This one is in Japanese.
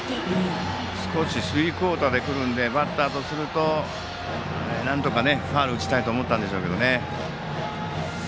少しスリークオーターでくるのでバッターとするとなんとかファウルを打ちたいと思ったんでしょうけど。